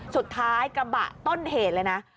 สุดท้ายกระบะต้นเหตุเลยนะ